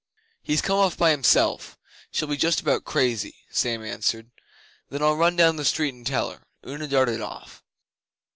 'He's come off by himself. She'll be justabout crazy,' Sam answered. 'Then I'll run down street and tell her.' Una darted off.